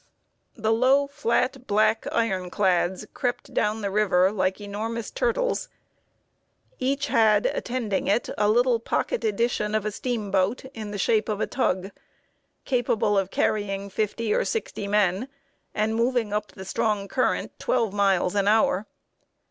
The low, flat, black iron clads crept down the river like enormous turtles. Each had attending it a little pocket edition of a steamboat, in the shape of a tug, capable of carrying fifty or sixty men, and moving up the strong current twelve miles an hour.